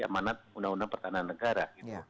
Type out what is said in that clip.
amanat undang undang pertahanan negara